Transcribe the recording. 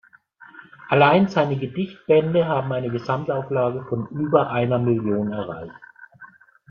Allein seine Gedichtbände haben eine Gesamtauflage von über einer Million erreicht.